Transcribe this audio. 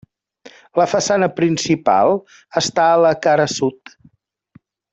La façana principal està a la cara sud.